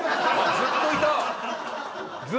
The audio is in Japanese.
ずっといたんだ。